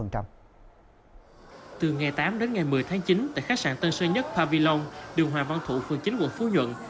từ ngày tám đến ngày một mươi tháng chín tại khách sạn tân sơn nhất pavilong đường hòa văn thụ phường chín quận phú nhuận